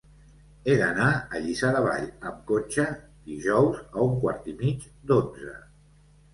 He d'anar a Lliçà de Vall amb cotxe dijous a un quart i mig d'onze.